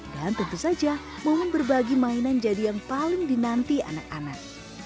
dan tentu saja mohon berbagi mainan jadi yang paling dinanti anak anak